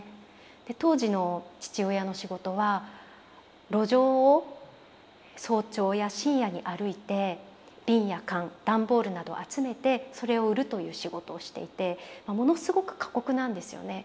で当時の父親の仕事は路上を早朝や深夜に歩いてビンや缶段ボールなどを集めてそれを売るという仕事をしていてものすごく過酷なんですよね。